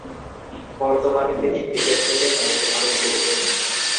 বর্তমানে তিনি ক্রিকেট কোচের দায়িত্ব পালন করছেন।